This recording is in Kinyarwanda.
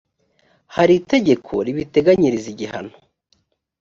hari itegeko ribiteganyiriza igihano